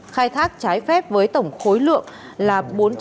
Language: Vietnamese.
khai thác trái phép với tổng khối lượng là bốn trăm tám mươi sáu trăm linh